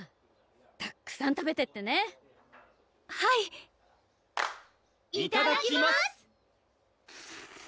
たっくさん食べてってねはいいただきます！